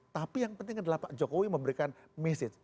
tapi yang penting adalah pak jokowi memberikan message